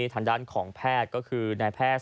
ทางด้านของแพทย์ก็คือนายแพทย์